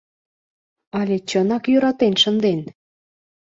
Але чынак йӧратен шынден?